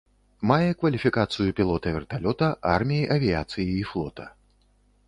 Мае кваліфікацыю пілота верталёта арміі авіяцыі і флота.